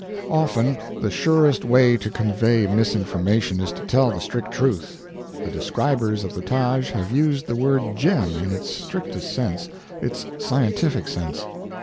Often, the surest way to convey misinformation is to tell the strict truth. The describers of the Taj have used the word gem in its strictest sense its scientific sense.